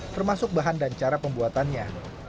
termasuk bahan dan cara pembuatannya